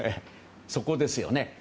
そこですよね。